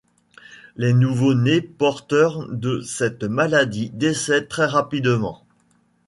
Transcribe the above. Les nouveau-nés porteurs de cette maladie décèdent très rapidement.